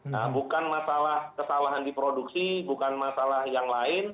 nah bukan masalah kesalahan di produksi bukan masalah yang lain